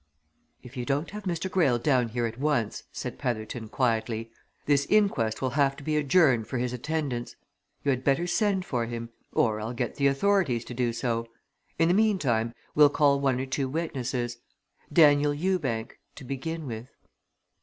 "If you don't have Mr. Greyle down here at once," said Petherton, quietly, "this inquest will have to be adjourned for his attendance. You had better send for him or I'll get the authorities to do so. In the meantime, we'll call one or two witnesses, Daniel Ewbank! to begin with."